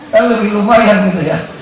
kan lebih lumayan gitu ya